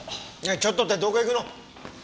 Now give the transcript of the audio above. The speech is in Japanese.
ちょっとってどこ行くの？